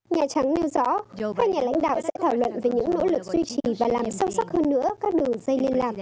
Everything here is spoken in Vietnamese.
nhà trắng nêu rõ các nhà lãnh đạo sẽ thảo luận về những nỗ lực duy trì và làm sâu sắc hơn nữa các đường dây liên lạc